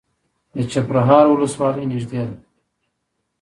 د چپرهار ولسوالۍ نږدې ده